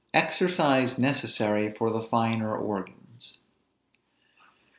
EXERCISE NECESSARY FOR THE FINER ORGANS.